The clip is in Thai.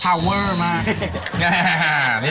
กะเพราทอดไว้